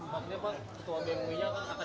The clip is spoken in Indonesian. maksudnya pak tua bmi nya akan dikeluarkan